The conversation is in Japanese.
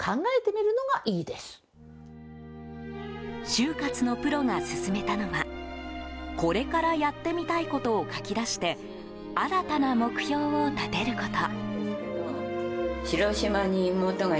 終活のプロが勧めたのはこれからやってみたいことを書き出して新たな目標を立てること。